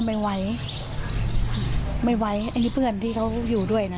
ไม่ไหวไม่ไหวอันนี้เพื่อนที่เขาอยู่ด้วยนะ